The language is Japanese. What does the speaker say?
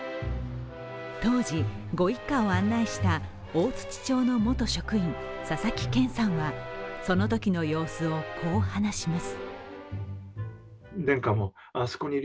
当時、ご一家を案内した大槌町の元職員佐々木健さんは、そのときの様子をこう話します。